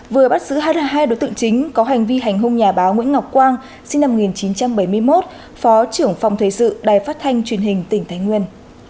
vừa bắt giữ hai đối tượng chính có hành vi hành hung nhà báo nguyễn ngọc quang sinh năm một nghìn chín trăm bảy mươi một phó trưởng phòng thời sự đài phát thanh truyền hình tỉnh thái nguyên